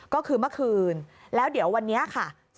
ก็คือเมื่อคืนแล้วเดี๋ยววันนี้ค่ะ